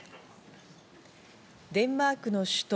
デンマークの首都